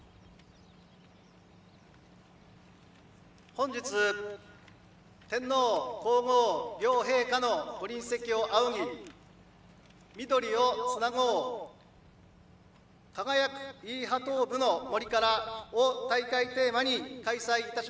本日天皇皇后両陛下のご臨席を仰ぎ「緑をつなごう輝くイーハトーブの森から」を大会テーマに開催いたしました第７３回全国植樹祭は